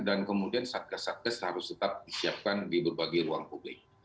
dan kemudian satgas satgas harus tetap disiapkan di berbagai ruang publik